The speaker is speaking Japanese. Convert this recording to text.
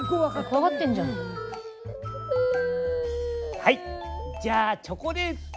はいじゃあチョコレート！